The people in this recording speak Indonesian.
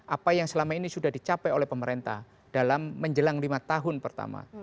apa yang selama ini sudah dicapai oleh pemerintah dalam menjelang lima tahun pertama